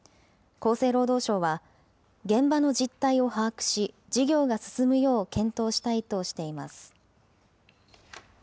厚生労働省は、現場の実態を把握し、事業が進むよう検討したいとしています。